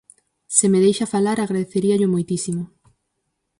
Se me deixa falar, agradeceríallo moitísimo.